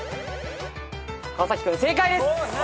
川君正解です。